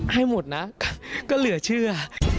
ให้หมดนะก็เหลือเชื่อ